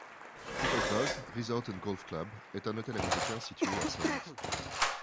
Petersburg Resort & Golf Club est un hôtel américain situé à St.